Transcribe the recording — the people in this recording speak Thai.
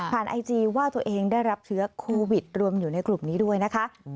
ไอจีว่าตัวเองได้รับเชื้อโควิดรวมอยู่ในกลุ่มนี้ด้วยนะคะ